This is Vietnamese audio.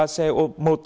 ba xe ôm mô tô